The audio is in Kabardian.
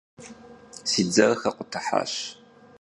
Si dzer xekhutıhaş.